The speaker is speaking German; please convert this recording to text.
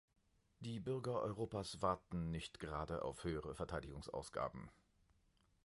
Die Bürger Europas warten nicht gerade auf höhere Verteidigungsausgaben.